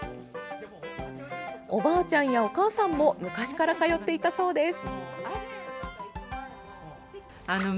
おばあちゃんやお母さんも昔から通っていたそうです。